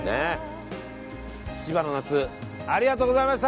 千葉の夏ありがとうございました！